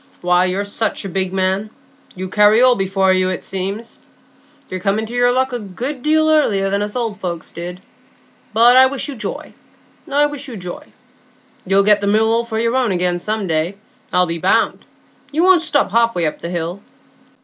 "Why, you're such a big man, you carry all before you, it, seems. You're come into your luck a good deal earlier than us old folks did; but I wish you joy, I wish you joy. You'll get the Mill all for your own again some day, I'll be bound. You won't stop half way up the hill."